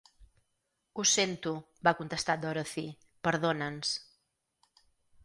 "Ho sento", va contestar Dorothy, "perdona"ns".